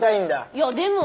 いやでもォ。